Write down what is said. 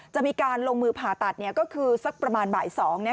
จะมีการลงมือผ่าตัดก็คือสักประมาณบ่าย๒